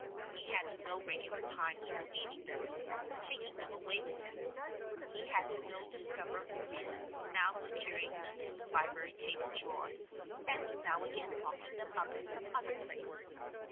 He had no regular times for leaving them or for taking them away with him; he had no discoverable reason for now securing them in the library table drawer, and now again locking them up in some other place.